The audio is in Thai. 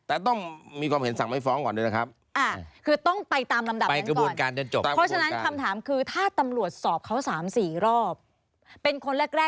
อันนี้คนเนี่ยเข้าใจถูกนะ